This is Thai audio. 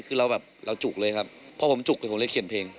คือเราแบบเราจุกเลยครับเพราะผมจุกเลยผมเลยเขียนเพลง